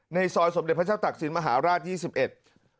ในซอยสมเด็จพระเจ้าตักศิลป์มหาราช๒๑